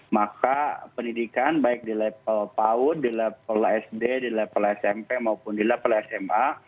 maka pendidikan baik di level paut di level sd di level smp maupun di level sma